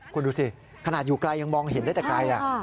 คุณดูสิขนาดอยู่ไกลยังมองเห็นได้แต่ไกลแหละ